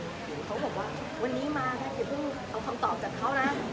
เขาบอกว่าวันนี้มาแพทย์ไม่ต้องเอาคำตอบจากเขานะ